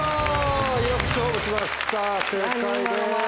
よく勝負しました正解です。